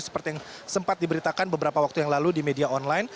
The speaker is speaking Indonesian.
seperti yang sempat diberitakan beberapa waktu yang lalu di media online